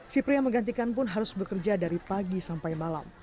si pria yang menggantikan pun harus bekerja dari pagi sampai malam